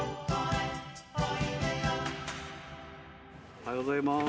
おはようございます。